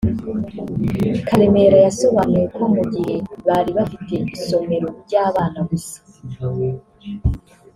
Karemera yasobanuye ko mu gihe bari bafite isomero ry’abana gusa